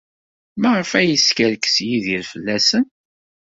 Maɣef ay yeskerkes Yidir fell-asen?